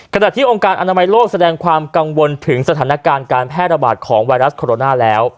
ขณะที่องค์การอนามัยโลกแสดงความกังวลถึงสถานการณ์การแพร่ระบาดของไวรัสโคโรนาแล้ว